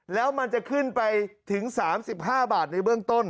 แล้วมันจะขึ้นไปถึงสามสิบห้าบาทในเบื้องต้น